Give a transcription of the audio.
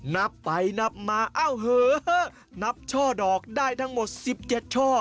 นับไปนับมาเอ้าเหอะนับช่อดอกได้ทั้งหมด๑๗ช่อ